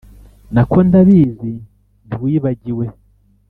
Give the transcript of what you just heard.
Nako ndabizi ntiwibagiwe .